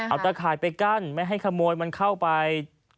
เอาตะข่ายไปกั้นไม่ให้ขโมยมันเข้าไป